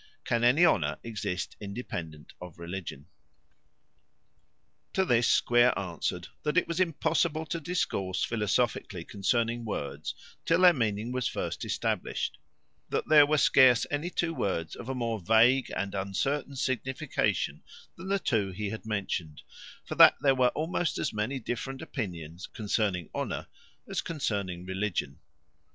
Can any honour exist independent on religion? To this Square answered; that it was impossible to discourse philosophically concerning words, till their meaning was first established: that there were scarce any two words of a more vague and uncertain signification, than the two he had mentioned; for that there were almost as many different opinions concerning honour, as concerning religion.